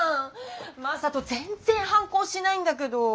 正門全然反抗しないんだけど！